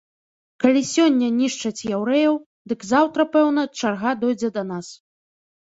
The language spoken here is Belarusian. Калі сёння нішчаць яўрэяў, дык заўтра, пэўна, чарга дойдзе да нас.